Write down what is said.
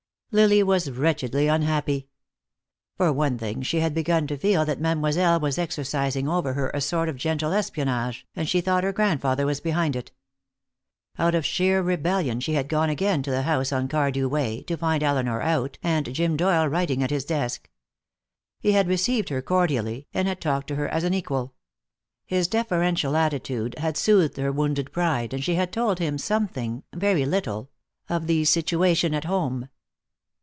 Lily was wretchedly unhappy. For one thing, she had begun to feel that Mademoiselle was exercising over her a sort of gentle espionage, and she thought her grandfather was behind it. Out of sheer rebellion she had gone again to the house on Cardew Way, to find Elinor out and Jim Doyle writing at his desk. He had received her cordially, and had talked to her as an equal. His deferential attitude had soothed her wounded pride, and she had told him something very little of the situation at home.